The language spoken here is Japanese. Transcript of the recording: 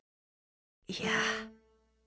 いや。